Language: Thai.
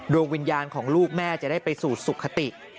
ดวงวิญญาณของลูกแม่จะได้ไปสู่สุขติ